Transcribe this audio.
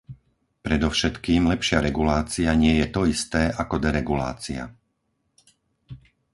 Predovšetkým, lepšia regulácia nie je to isté ako deregulácia.